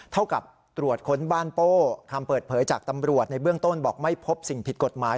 เท่ากับตรวจค้นบ้านโป้คำเปิดเผยจากตำรวจในเบื้องต้นบอกไม่พบสิ่งผิดกฎหมาย